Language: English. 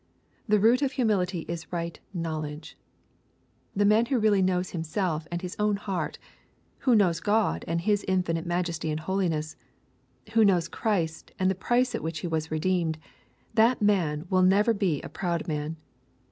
The root of humility is right knowledge. The man who really knows himself and his own heart,— who knows God and His infinite majesty and holiness, — who knows Christ, and the price at which he was redeemed, — that man will never be a proud man.